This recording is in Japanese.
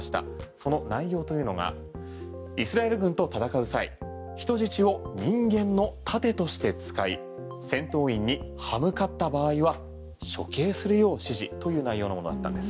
その内容というのがイスラエル軍と戦う際人質を人間の盾として使い戦闘員に歯向かった場合は処刑するよう指示という内容のものだったんです。